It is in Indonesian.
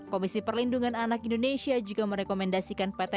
komisi perlindungan anak indonesia juga merekomendasikan ptm dapat digelar